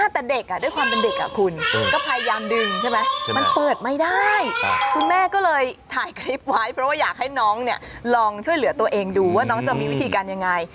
แต่เด็กด้วยความเป็นเด็กคุณก็พยายามดึงใช่ไหมมันเปิดไม่ได้คุณแม่ก็เลยถ่ายคลิปไว้เพราะว่าอยากให้น้องเนี่ยลองช่วยเหลือตัวเองดูว่าน้องจะมีวิธีการยังไง